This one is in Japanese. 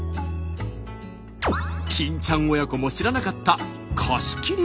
金ちゃん親子も知らなかった